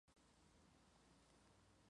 Fue enterrado en la prefectura de Kagoshima.